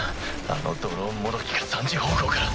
あのドローンもどきが３時方向から。